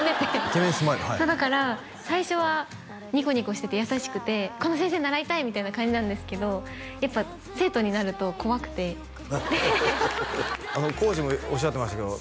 そうだから最初はニコニコしてて優しくてこの先生に習いたいみたいな感じなんですけどやっぱ生徒になると怖くてコーチもおっしゃってましたけど